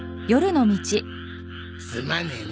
すまねえな。